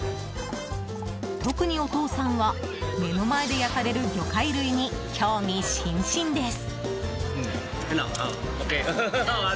特にお父さんは目の前で焼かれる魚介類に興味津々です。